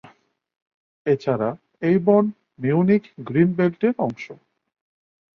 এছাড়া এই বন মিউনিখ গ্রিন বেল্টের অংশ।